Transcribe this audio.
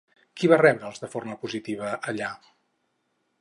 Qui va rebre'ls de forma positiva allà?